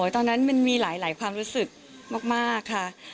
ตอนนั้นมันมีหลายความรู้สึกมากค่ะ